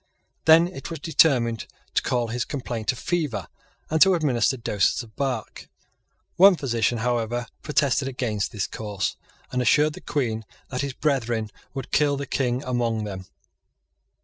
Then it was determined to call his complaint a fever, and to administer doses of bark. One physician, however, protested against this course, and assured the Queen that his brethren would kill the King among them.